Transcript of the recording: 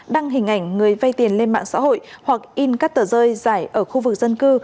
đăng hình ảnh người vay tiền lên mạng xã hội hoặc in các tờ rơi giải ở khu vực dân cư